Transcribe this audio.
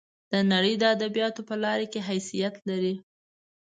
د نړۍ د ادبیاتو په لار کې حیثیت لري.